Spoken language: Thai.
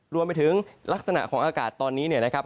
รวมไปถึงลักษณะของอากาศตอนนี้เนี่ยนะครับ